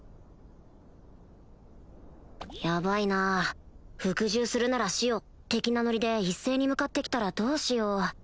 ヤバいな「服従するなら死を」的なノリで一斉に向かって来たらどうしよう